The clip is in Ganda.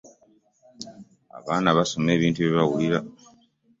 abaana basoma ebintu bye bawulira.